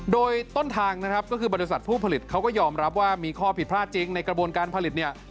โดยต้นทางนะครับก็คือบริษัทผู้ผลิตเขาก็ยอมรับว่ามีข้อผิดพลาดจริงในกระบวนการผลิตเนี่ย